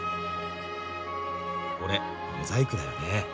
これモザイクだよね。